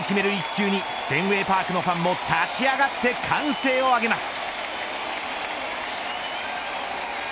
１球にフェンウェイパークのファンも立ち上がって歓声を上げます。